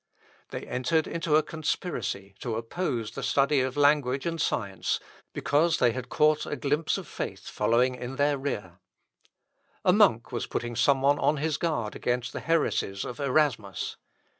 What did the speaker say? They entered into a conspiracy to oppose the study of language and science, because they had caught a glimpse of faith following in their rear. A monk was putting some one on his guard against the heresies of Erasmus.